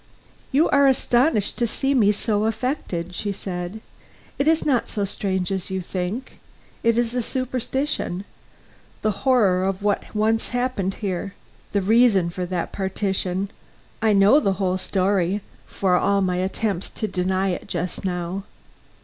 "You are astonished to see me so affected," she said. "It is not so strange as you think it is superstition the horror of what once happened here the reason for that partition I know the whole story, for all my attempts to deny it just now.